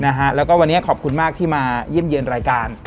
นะฮะแล้วก็วันนี้ขอบคุณมากที่มายิ่มเย็นรายการ